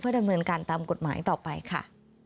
ดำเนินการตามกฎหมายต่อไปค่ะ